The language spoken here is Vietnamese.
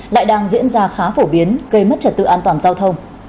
lại đang diễn ra khá phổ biến gây mất trật tự an toàn giao thông